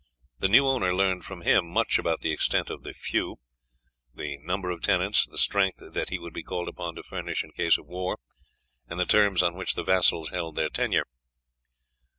The new owner learned from him much about the extent of the feu, the number of tenants, the strength that he would be called upon to furnish in case of war, and the terms on which the vassals held their tenure.